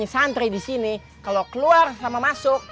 santri di sini kalau keluar sama masuk